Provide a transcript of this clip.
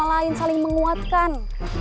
maksudnya kita harus saling menguatkan